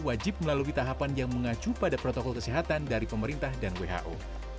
wajib melalui tahapan yang mengacu pada protokol kesehatan dari pemerintah dan who